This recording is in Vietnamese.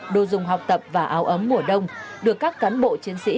đồ dùng học tập và áo ấm mùa đông được các cán bộ chiến sĩ